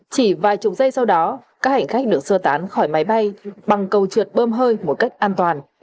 chỉ vài chục giây sau đó các hành khách được sơ tán khỏi máy bay bằng cầu trượt bơm hơi một cách an toàn